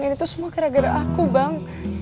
itu semua gara gara aku bang